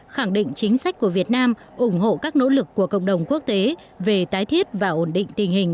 khẳng định chính sách của việt nam ủng hộ các nỗ lực của cộng đồng quốc tế về tái thiết và ổn định tình hình